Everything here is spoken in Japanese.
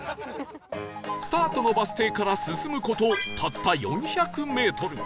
スタートのバス停から進む事たった４００メートル